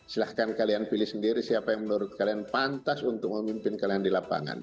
silahkan kalian pilih sendiri siapa yang menurut kalian pantas untuk memimpin kalian di lapangan